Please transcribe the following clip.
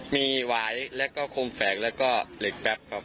มีไหว้และโคมแฝกและเหล็กแป๊บครับ